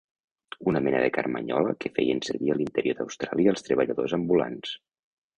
Una mena de carmanyola que feien servir a l'interior d'Austràlia els treballadors ambulants.